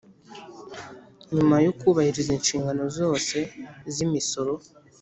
Nyuma yo kubahiriza inshingano zose z’imisoro